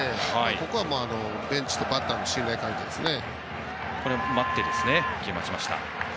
ここはベンチとバッターの信頼関係ですね。